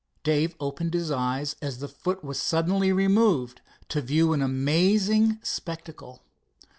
Dave opened his eyes as the foot was suddenly removed, to view an amazing spectacle.